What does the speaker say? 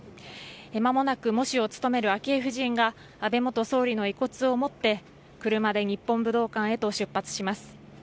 まもなく喪主を務める昭恵夫人が安倍元総理の遺骨を持って車で日本武道館へと出発します。